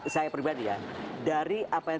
saya pribadi ya dari apa yang